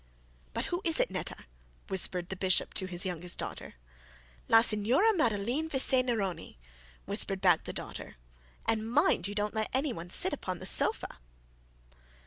'But who is it, Netta?' whispered the bishop to his youngest daughter. 'La Signora Madeline Vesey Neroni,' whispered back the daughter; 'and mind you don't let any one sit upon the sofa.'